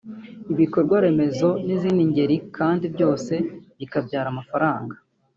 ibikorwa remezo n’izindi ngeri kandi byose bikabyara amafaranga